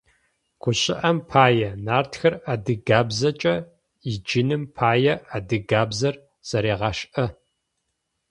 ГущыӀэм пае, «Нартхэр» адыгабзэкӏэ ыджыным пае адыгабзэр зэрегъашӀэ.